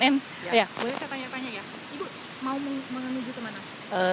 boleh saya tanya tanya ya ibu mau menuju kemana